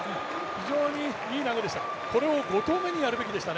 非常にいい投げでした。